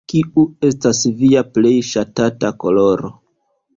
Kiu estas via plej ŝatata koloro?